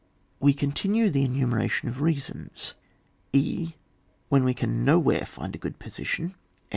We continue the enumeration of rea sons. («.) When we can nowhere find a good position.